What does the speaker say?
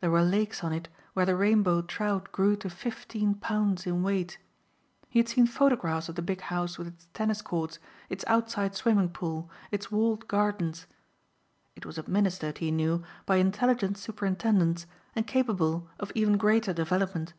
There were lakes on it where the rainbow trout grew to fifteen pounds in weight. He had seen photographs of the big house with its tennis courts, its outside swimming pool, its walled gardens. It was administered, he knew, by intelligent superintendents and capable of even greater development.